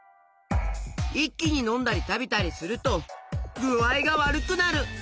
いっきにのんだりたべたりするとぐあいがわるくなる！